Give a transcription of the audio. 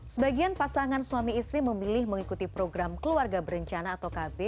sebagian pasangan suami istri memilih mengikuti program keluarga berencana atau kb